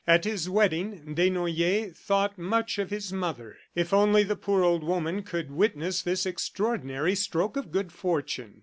At his wedding, Desnoyers thought much of his mother. If only the poor old woman could witness this extraordinary stroke of good fortune!